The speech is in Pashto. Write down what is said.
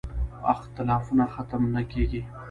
اختلافونه ختم نه کېږي.